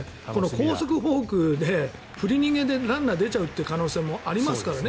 高速フォークで振り逃げでランナーが出る可能性ありますからね。